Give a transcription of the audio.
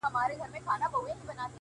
o زور او زير مي ستا په لاس کي وليدی؛